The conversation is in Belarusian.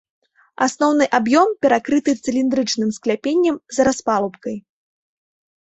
Асноўны аб'ём перакрыты цыліндрычным скляпеннем з распалубкай.